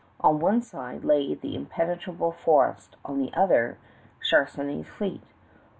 On one side lay the impenetrable forest; on the other, Charnisay's fleet.